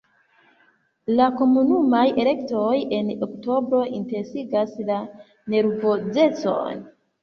La komunumaj elektoj en oktobro intensigas la nervozecon.